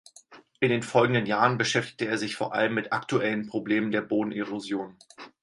In den folgenden Jahren beschäftigte er sich vor allem mit aktuellen Problemen der Bodenerosion.